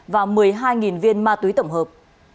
và một mươi hai viên ma túy tổng hợp